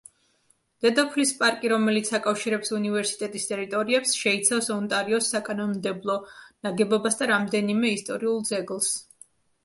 დედოფლის პარკი, რომელიც აკავშირებს უნივერსიტეტის ტერიტორიებს, შეიცავს ონტარიოს საკანონმდებლო ნაგებობას და რამდენიმე ისტორიულ ძეგლს.